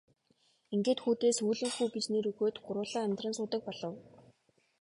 Ингээд хүүдээ Сүүлэн хүү гэж нэр өгөөд гурвуулаа амьдран суудаг болов.